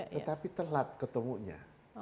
tetapi telat ketemunya